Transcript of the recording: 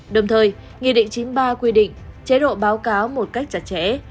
đồng thời nghị định chín mươi ba quy định chế độ báo cáo một cách chặt chẽ